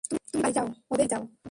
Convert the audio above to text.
তুমি বাড়ি যাও, ওদের সাথে নিয়ে যাও।